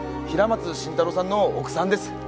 平松伸太郎さんの奥さんです。